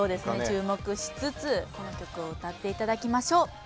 注目しつつこの曲を歌っていただきましょう。